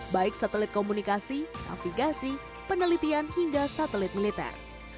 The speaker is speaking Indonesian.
baik satelit komunikasi navigasi penelitian hingga satelit militer